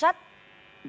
jakarta dalam perkembangan